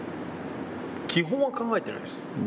基本は考えてないです。